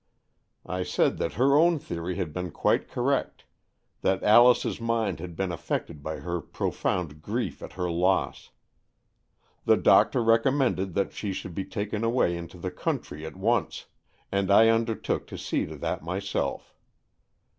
I said that her own theory had been quite correct, that Alice's mind had been affected by her pro found grief at her loss. The doctor recom mended that she should be taken away into the country at once, and I undertook to see to that myself.